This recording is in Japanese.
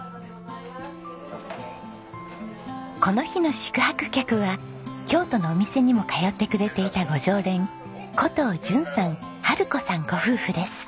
この日の宿泊客は京都のお店にも通ってくれていたご常連古藤淳さん治子さんご夫婦です。